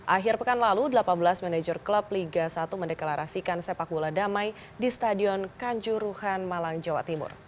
akhir pekan lalu delapan belas manajer klub liga satu mendeklarasikan sepak bola damai di stadion kanjuruhan malang jawa timur